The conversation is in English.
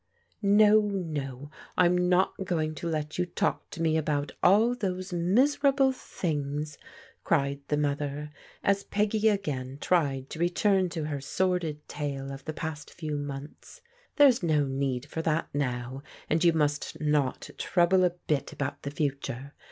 " No, no, I'm not going to let you talk to me about all those miserable things!" cried the mother, as Peggy again tried to return to her sordid tale of the past few months. " There's no need for that now, and you must not trouble a bit about the future.